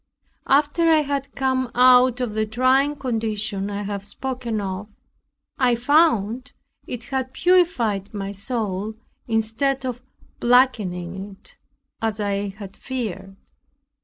After I had come out of the trying condition I have spoken of I found it had purified my soul, instead of blackening it as I had feared.